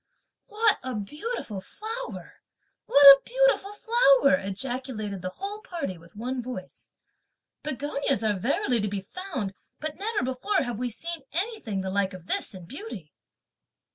"What a beautiful flower! what a beautiful flower!" ejaculated the whole party with one voice; "begonias are verily to be found; but never before have we seen anything the like of this in beauty."